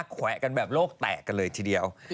ไชมนต์พูดแหวะกันแบบโลกแตกเลยทีเดียว